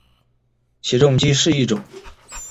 起重机是一种。